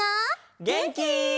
げんき？